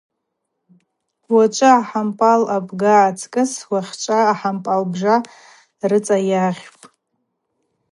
Уачӏвы ахӏампӏал абга ацкӏыс уахьчӏва ахӏампӏал бжа рыцӏа йагъьпӏ.